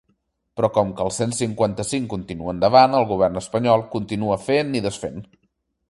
Però com que el cent cinquanta-cinc continua endavant, el govern espanyol continua fent i desfent.